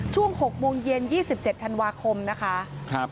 ช่วง๖โมงเย็น๒๗ธันวาคมนะคะ